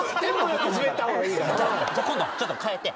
じゃあ今度ちょっとかえて。